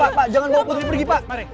pak jangan bawa putri pergi pak